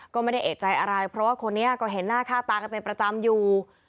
ก็ไม่ได้เอกใจอะไรเพราะว่าคนนี้ก็เห็นหน้าค่าตากันเป็นประจำอยู่